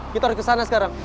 kita harus ke sana sekarang